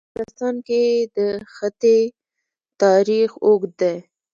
په افغانستان کې د ښتې تاریخ اوږد دی.